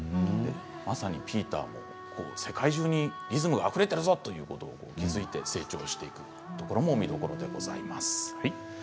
まさにピーターも世界中にリズムがあふれているぞということに気付いて成長していくところも見どころでございます。